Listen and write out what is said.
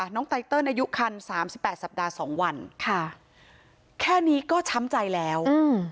ไตเติลอายุคันสามสิบแปดสัปดาห์สองวันค่ะแค่นี้ก็ช้ำใจแล้วอืม